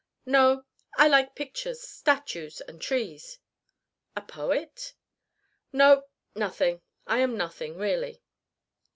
"No. I like pictures, statues and trees." "A poet?" "No. Nothing. I am nothing, really."